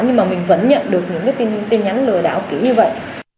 nhưng mà mình vẫn nhận được những cái tin nhắn lừa đảo kiểu như vậy